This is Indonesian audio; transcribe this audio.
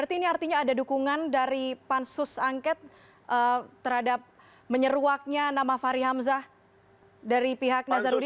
berarti ini artinya ada dukungan dari pansus angket terhadap menyeruaknya nama fahri hamzah dari pihak nazarudin